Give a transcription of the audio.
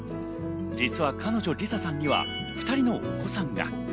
実は彼女・理紗さんには、２人のお子さんが。